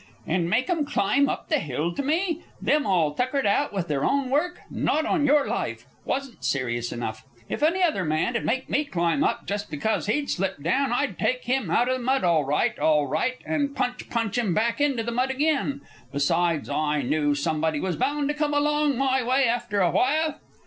"And make 'em climb up the hill to me? Them all tuckered out with their own work? Not on your life! Wasn't serious enough. If any other man 'd make me climb up just because he'd slipped down, I'd take him out o' the mud all right, all right, and punch and punch him back into the mud again. Besides, I knew somebody was bound to come along my way after a while."